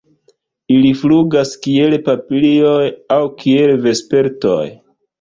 Ili flugas kiel papilioj aŭ kiel vespertoj.